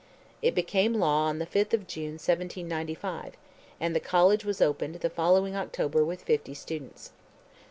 It became law on the 5th of June, 1795, and the college was opened the following October with fifty students.